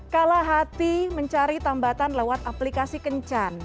kalah hati mencari tambatan lewat aplikasi kencan